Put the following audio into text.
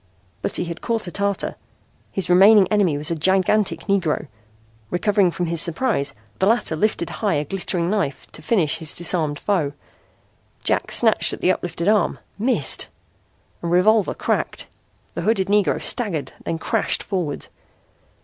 But he had caught a tartar. His remaining enemy was a gigantic Negro. Recovering from his surprise the latter lifted high a glittering knife to finish his disarmed foe. Jack snatched at the uplifted arm missed! A revolver cracked. The hooded Negro staggered, then crashed forward.